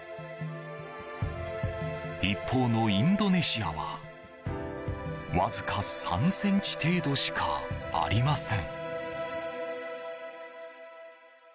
一方のインドネシアはわずか３ｃｍ程度しかありません。